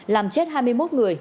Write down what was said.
làm chết hai mươi một người